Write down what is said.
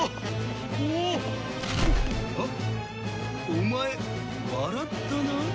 お前笑ったな？